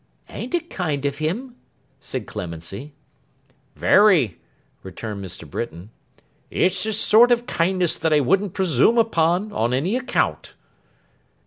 'An't it kind of him?' said Clemency. 'Very,' returned Mr. Britain. 'It's the sort of kindness that I wouldn't presume upon, on any account.